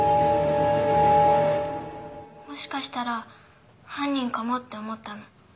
もしかしたら犯人かもって思ったの。